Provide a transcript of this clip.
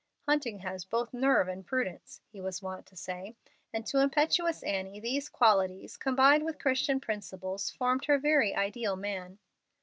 "Hunting has both nerve and prudence," he was wont to say; and to impetuous Annie these qualities, combined with Christian principles, formed her very ideal man.